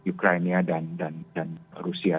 ukraina dan rusia